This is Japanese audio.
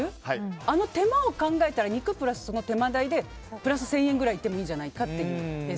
あの手間を考えたら肉プラスその手間でプラス１０００円くらいいってもいいんじゃないかという。